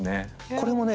これもね